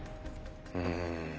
うん。